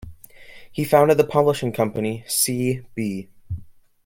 He founded the publishing company C. B.